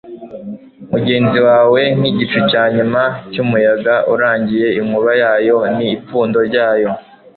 Mugenzi wawe nkigicu cyanyuma cyumuyaga urangiye inkuba yayo ni ipfundo ryayo